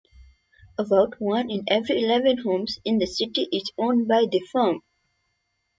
About one in every eleven homes in the city is owned by the firm.